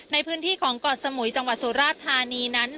ในพื้นที่ของเกาะสมุยจังหวัดสุราชธานีนั้น